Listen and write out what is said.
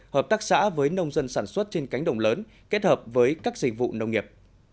hợp tác xã với nông dân sản xuất trên cánh đồng lớn kết hợp với các dịch vụ nông nghiệp